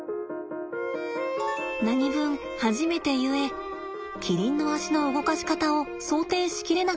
何分初めてゆえキリンの足の動かし方を想定し切れなかったんです。